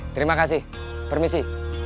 terima kasih permisi